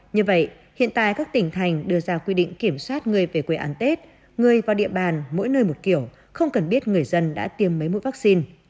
như vậy hiện tại các tỉnh thành đưa ra quy định kiểm soát người về quê ăn tết người vào địa bàn mỗi nơi một kiểu không cần biết người dân đã tiêm mấy mũi vaccine